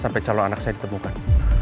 sampai calon anak saya ditemukan